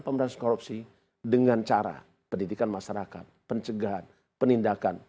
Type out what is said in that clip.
pemberantasan korupsi dengan cara pendidikan masyarakat pencegahan penindakan